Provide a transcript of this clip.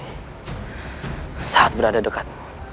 aku sangat merindukan